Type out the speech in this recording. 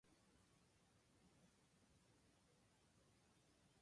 青森県七戸町